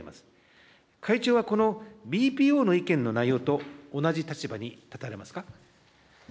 会長は、このＢＰＯの意見の内容と同じ立場に立たれますか。